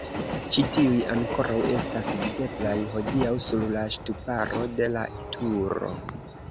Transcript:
Ĉi tiuj ankoraŭ estas videblaj hodiaŭ sur la ŝtuparo de la turo.